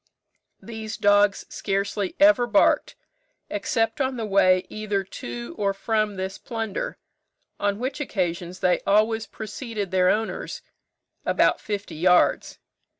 These dogs scarcely ever barked, except on the way either to or from this plunder; on which occasions they always preceded their owners about fifty yards.